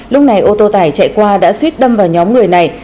lúc này ô tô tải chạy qua đã suýt đâm vào nhóm người này